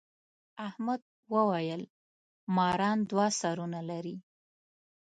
احمد وويل: ماران دوه سرونه لري.